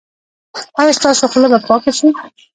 ایا ستاسو خوله به پاکه شي؟